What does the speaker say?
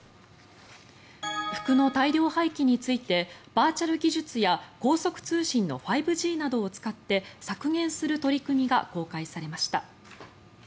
服の大量廃棄についてバーチャル技術や高速通信の５Ｇなどを使って削減する取り組みが公開されました。